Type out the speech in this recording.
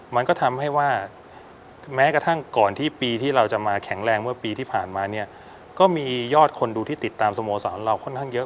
มันก็ทำให้ว่าแม้กระทั่งก่อนที่ปีที่เราจะมาแข็งแรงเมื่อปีที่ผ่านมาเนี่ยก็มียอดคนดูที่ติดตามสโมสรเราค่อนข้างเยอะ